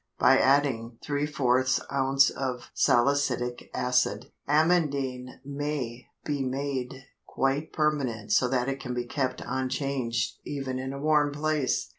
By adding ¾ ounce of salicylic acid, amandine may be made quite permanent so that it can be kept unchanged even in a warm place.